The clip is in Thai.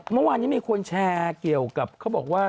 เมื่อวานนี้มีคนแชร์เกี่ยวกับเขาบอกว่า